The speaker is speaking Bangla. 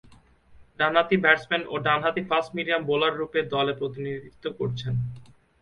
ডানহাতি ব্যাটসম্যান ও ডানহাতি ফাস্ট মিডিয়াম বোলাররূপে দলে প্রতিনিধিত্ব করছেন।